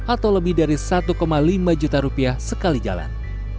atau lebih dari satu lima juta rupiah sekali jalan